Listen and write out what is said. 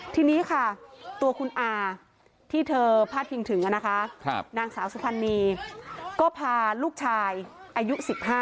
ทีนี้ค่ะตัวคุณอาที่เธอพาดพิงถึงนะคะนางสาวสุพรรณีก็พาลูกชายอายุ๑๕